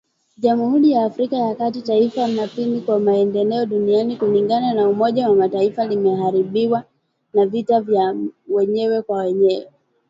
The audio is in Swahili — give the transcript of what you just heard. Jamhuri ya Afrika ya kati, taifa la pili kwa maendeleo duniani kulingana na Umoja wa Mataifa limeharibiwa na vita vya wenyewe kwa wenyewe.